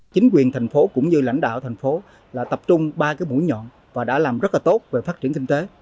chính quyền thành phố cũng như lãnh đạo thành phố tập trung ba mũi nhọn và đã làm rất tốt về phát triển kinh tế